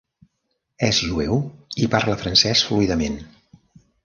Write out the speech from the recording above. És jueu i parla francès fluidament.